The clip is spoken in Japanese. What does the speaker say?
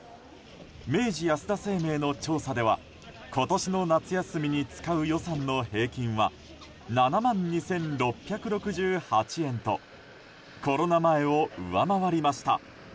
明治安田生命の調査では今年の夏休みに使う予算の平均は７万２６６８円とコロナ前を上回りました。